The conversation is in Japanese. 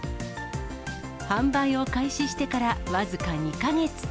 販売を開始してから僅か２か月。